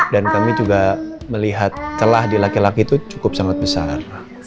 kami juga melihat telah di laki laki itu cukup sangat besar